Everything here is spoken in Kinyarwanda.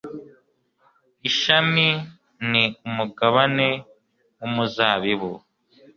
Ishami ni umugabane w'umuzabibu;